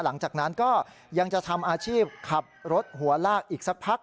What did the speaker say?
หลังจากนั้นก็ยังจะทำอาชีพขับรถหัวลากอีกสักพัก